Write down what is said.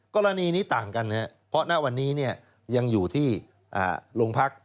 กรณีนี้ต่างกันเพราะหน้าวันนี้ยังอยู่ที่โรงพักษณ์